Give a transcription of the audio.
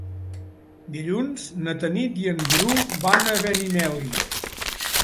Dilluns na Tanit i en Bru van a Benimeli.